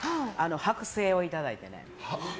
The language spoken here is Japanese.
剥製をいただいてね。